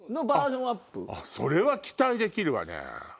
それは期待できるわね。